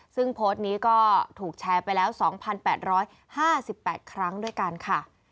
ซึ่งโพสต์นี้ก็ถูกแชร์ไปแล้ว๒๘๕๘ครั้งด้วยกันค่ะ